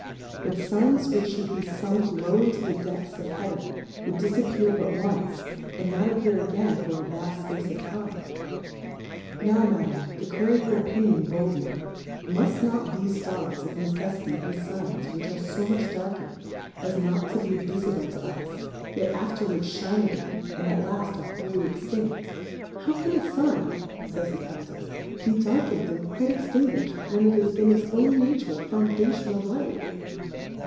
But Suns, which fl^ould be funk low into the depths of Heaven, would difappear but once, and not appear again for a vaft fpace of Time. Now, Madam, declare your Opinion boldly : Muft not thefe Stars, of neceflity be Suns, which are fo much darkned, as not to be vifi ble to us, yet afterwards fhine again, and at laft are wholly extinft ? How can a Sun,y^jj the Count e^s^ be darkned and quite extinguifh'd, when it is in its own Nature a Foundation of Light